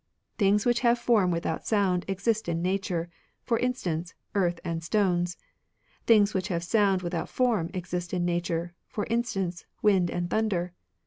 Things which have form without sound exist in nature ; for instance, earth, and stones. Things which have sound without form exist in nature ; for instance, wind, and thunder.